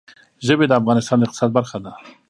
ژبې د افغانستان د اقتصاد برخه ده.